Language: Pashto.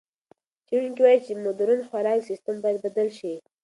څېړونکي وايي چې مُدرن خوراکي سیستم باید بدل شي.